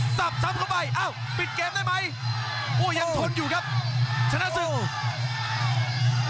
สับซ้ำเข้าไปอ้าวปิดเกมได้ไหมโอ้ยังทนอยู่ครับชนะศึก